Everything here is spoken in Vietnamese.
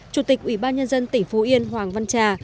chủ tịch ủy ban nhân dân tỉnh phú yên hoàng văn trà